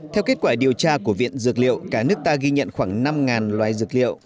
theo kết quả điều tra của viện dược liệu cả nước ta ghi nhận khoảng năm loài dược liệu